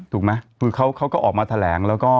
ถูกไหมเขาก็ออกมาแถลง